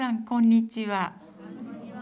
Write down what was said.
こんにちは。